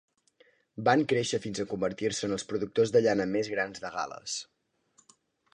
Van créixer fins convertir-se en els productors de llana més grans de Gal·les.